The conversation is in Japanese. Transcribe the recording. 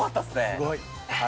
すごい。